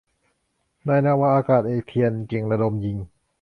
นายนาวาอากาศเอก เฑียร เก่งระดมยิง